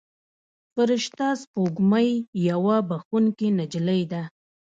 فرشته سپوږمۍ یوه بښونکې نجلۍ ده.